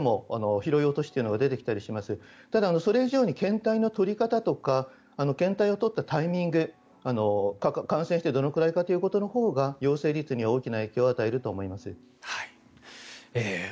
ただ、それ以上に検体の採り方とか検体を採ったタイミング感染してどのくらいかというほうが陽性率に大きな影響を与えると思います。